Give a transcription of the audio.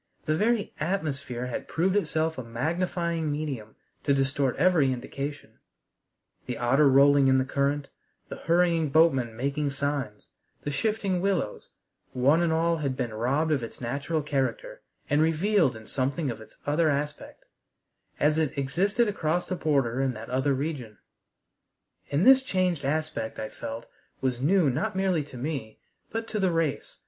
The very atmosphere had proved itself a magnifying medium to distort every indication: the otter rolling in the current, the hurrying boatman making signs, the shifting willows, one and all had been robbed of its natural character, and revealed in something of its other aspect as it existed across the border in that other region. And this changed aspect I felt was new not merely to me, but to the race.